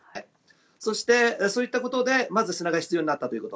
そしてそういったことでまず砂が必要になったということ。